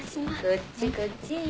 こっちこっち。